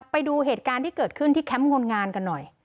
ไปดูเหตุการณ์ที่เกิดขึ้นที่แคมป์คนงานกันหน่อย